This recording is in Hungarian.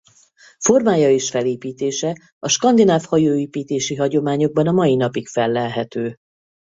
Formája és felépítése a skandináv hajóépítési hagyományokban a mai napig fellelhető.